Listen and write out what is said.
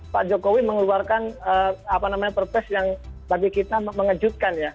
pak jokowi mengeluarkan apa namanya perpres yang bagi kita mengejutkan ya